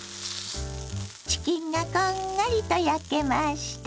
チキンがこんがりと焼けました。